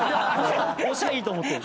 押しゃいいと思ってる。